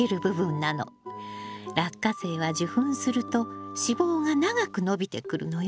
ラッカセイは受粉すると子房が長く伸びてくるのよ。